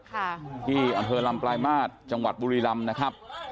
ค่ะที่อำเภอลำปลายมาตรจังหวัดบุรีรำนะครับ